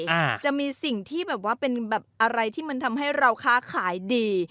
อ่าจะมีสิ่งที่แบบว่าเป็นแบบอะไรที่มันทำให้เราค้าขายดี